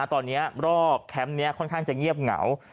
ตอนนี้รอบแคมป์นี้ค่อนข้างจะเงียบเหงา